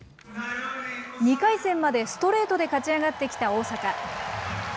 ２回戦までストレートで勝ち上がってきた大坂。